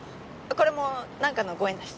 これもなんかのご縁だし。